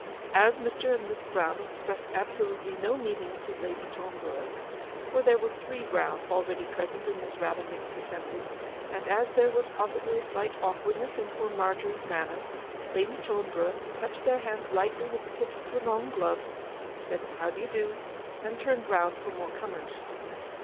As Mr. and Miss Brown expressed absolutely no meaning to Lady Toneborough (for there were three Browns already present in this rather mixed assembly), and as there was possibly a slight awkwardness in poor Margery's manner, Lady Toneborough touched their hands lightly with the tips of her long gloves, said, 'How d'ye do,' and turned round for more comers.